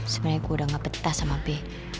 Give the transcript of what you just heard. sebenernya gue udah gak petas sama be